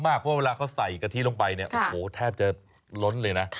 เพราะเวลาเขาใส่กะทิลงไปเนี่ยโอ้โหแทบจะล้นเลยนะ